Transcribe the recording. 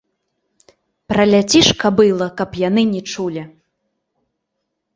Праляці ж, кабыла, каб яны не чулі!